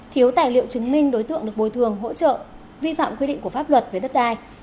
thiếu tài liệu chứng minh đối tượng được bồi thường hỗ trợ vi phạm quy định của pháp luật về đất đai